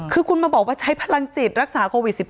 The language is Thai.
คือคุณมาบอกว่าใช้พลังจิตรักษาโควิด๑๙